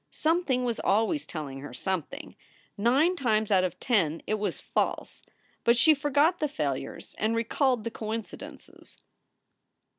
Something was always telling her something. Nine times out of ten it was false, but she forgot the failures and recalled the coincidences.